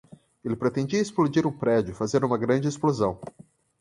Ele pretendia explodir um prédio e fazer uma grande explosão